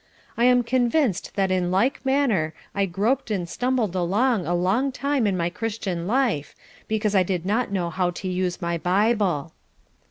I am convinced that in like manner I groped and stumbled along a long time in my Christian life because I did not know how to use my Bible."